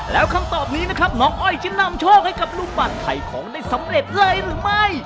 แล้วคำตอบนี้นะครับน้องอ้อยจะนำโชคให้กับลูกปั่นถ่ายของได้สำเร็จเลยหรือไม่